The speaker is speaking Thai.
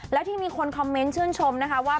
แล้วที่มีคนคอมเมนต์ชื่นชมนะคะว่า